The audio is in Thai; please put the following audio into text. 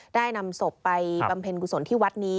ได้นำศพไปบำเพ็ญกุศลที่วัดนี้